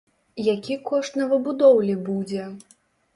Які кошт новабудоўлі будзе?